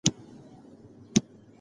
دا سړی مسواک کاروي.